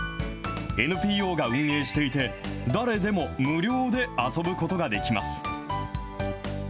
ＮＰＯが運営していて、誰でも無料で遊ぶことができます。